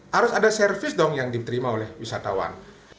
harus ada servis dong yang diterima oleh wisatawan